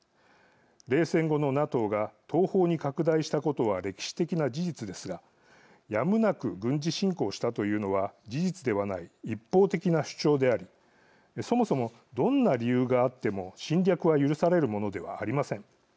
冷戦後のＮＡＴＯが東方に拡大したことは歴史的な事実ですがやむなく軍事侵攻したというのは事実ではない一方的な主張でありそもそもどんな理由があっても、侵略は許されるものではありません。